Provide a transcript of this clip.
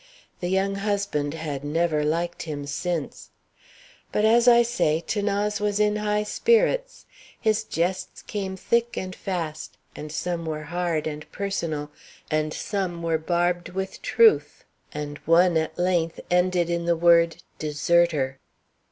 The young husband had never liked him since. But, as I say, 'Thanase was in high spirits. His jests came thick and fast, and some were hard and personal, and some were barbed with truth, and one, at length, ended in the word "deserter."